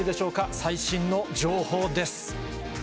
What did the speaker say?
最新の情報です。